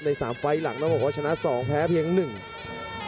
พยายามจะไถ่หน้านี่ครับการต้องเตือนเลยครับ